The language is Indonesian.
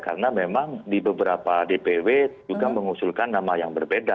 karena memang di beberapa dpw juga mengusulkan nama yang berbeda